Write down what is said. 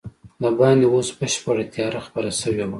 دباندې اوس بشپړه تیاره خپره شوې وه.